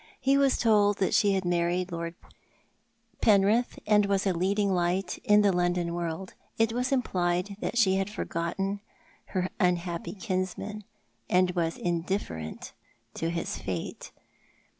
He was told tliat she had married Lord Penrith, and was a leading light in the Loudon world. It was implied that she had for gotten her unhappy kinsman, and was indifferent to his fate.